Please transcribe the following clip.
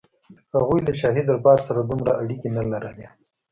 هغوی له شاهي دربار سره دومره اړیکې نه لرلې.